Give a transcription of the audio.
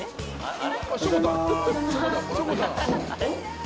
えっ？